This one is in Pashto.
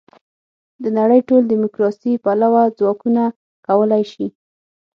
د نړۍ ټول دیموکراسي پلوه ځواکونه کولای شي.